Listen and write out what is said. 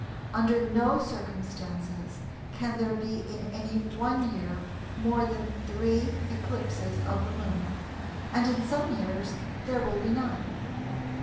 Under no circumstances can there be in any one year more than 3 eclipses of the Moon, and in some years there will be none.